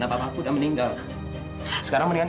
ibu pergi ya